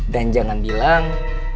dan jangan bilang